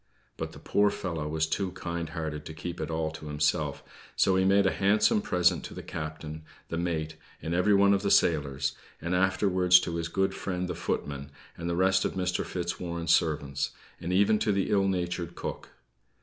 But the poor fellow was too kind hearted to keep it all to himself; so he made a handsome present to the captain, the mate, and every one of the sailors, and afterwards to his good friend the footman, and the rest of Mr. Fitzwarren's servants; and even to the ill natured cook.